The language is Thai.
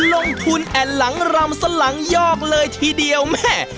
ลงทุนแอ่นหลังรำสลังยอกเลยทีเดียวแม่